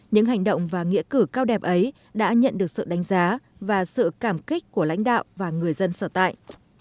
những hành động và nghĩa cử cao đẹp ấy đã nhận được sự đánh giá và sự cảm kích của lãnh đạo và người dân sở tại